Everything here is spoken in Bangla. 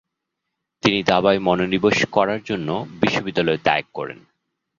তিনি দাবায় মনোনিবেশ করার জন্য বিশ্ববিদ্যালয় ত্যাগ করেন।